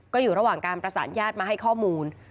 ก็อยู่ระหว่างการประสานญาติมาให้ข้อมูล